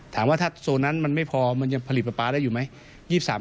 ถามว่าถ้าโซนนั้นมันไม่พอมันยังผลิตปลาปลาได้อยู่ไหม